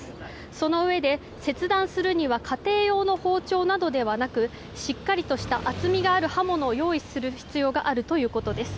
そのうえで、切断するには家庭用の包丁などではなくしっかりとした厚みがある刃物を用意する必要があるということです。